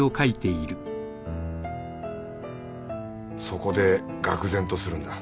そこでがく然とするんだ。